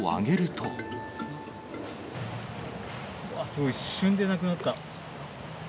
すごい、一瞬でなくなった。